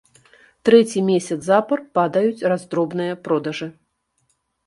Трэці месяц запар падаюць раздробныя продажы.